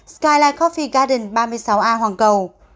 skyline coffee garden ba mươi sáu a hoàng cầu